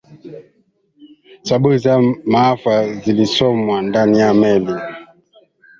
sababu za maafa zilisomwa ndani ya meli